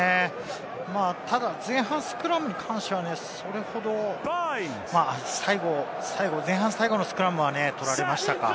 ただ前半スクラムに関しては、それほど最後、前半、最後のスクラムはとられましたか？